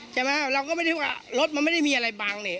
เราก็ไม่ได้ว่ารถมันไม่ได้มีอะไรบังนี่